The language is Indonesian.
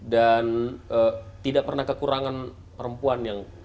dan tidak pernah kekurangan perempuan yang